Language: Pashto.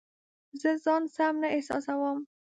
زه ځان سم نه احساسوم